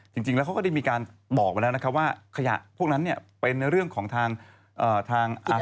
จริงแล้วเขาก็ได้มีการบอกไว้แล้วนะครับว่าขยะพวกนั้นเนี่ยเป็นเรื่องของทางอ่า